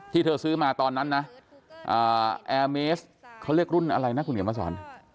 เธอซื้อมาตอนนั้นนะแอร์เมสเขาเรียกรุ่นอะไรนะคุณเขียนมาสอน